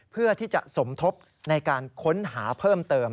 เพื่อที่จะสมทบในการค้นหาเพิ่มเติม